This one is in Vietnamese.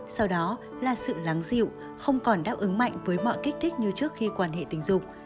sau đó là sự lắng dịu không còn đáp ứng mạnh với mọi kích thích như trước khi quan hệ tình dục